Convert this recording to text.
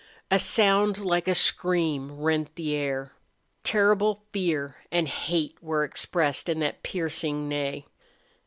A sound like a scream rent the air. Terrible fear and hate were expressed in that piercing neigh.